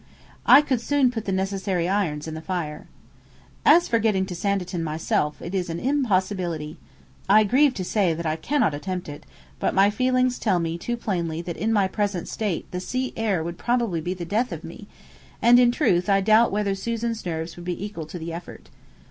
I could soon put the necessary irons in the fire. As for getting to Sanditon myself, it is an impossibility. I grieve to say that I cannot attempt it, but my feelings tell me too plainly that in my present state the sea air would probably be the death of me; and in truth I doubt whether Susan's nerves would be equal to the effort.